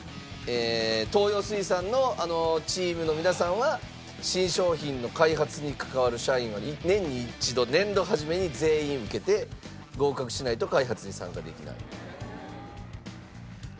東洋水産のあのチームの皆さんは新商品の開発に関わる社員は年に一度年度初めに全員受けて合格しないと開発に参加できない。